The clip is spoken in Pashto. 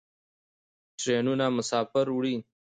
ټرینونه مسافر وړي.